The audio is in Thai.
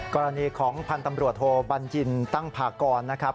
กรณีของพันธ์ตำรวจโทบัญญินตั้งพากรนะครับ